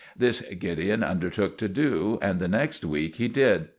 This Gideon undertook to do; and the next week he did.